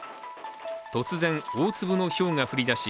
突然、大粒のひょうが降りだし